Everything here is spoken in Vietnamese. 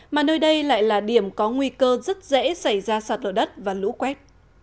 mà nơi đây lại là điểm có nguy cơ rất dễ xảy ra sạt lở đất và lũ quét